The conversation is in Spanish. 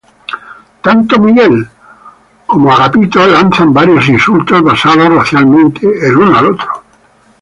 Tanto Miguel como Brad lanzan varios insultos basados racialmente el uno al otro.